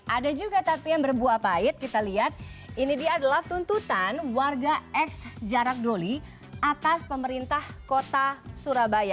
ada juga tapi yang berbuah pahit kita lihat ini dia adalah tuntutan warga ex jarak doli atas pemerintah kota surabaya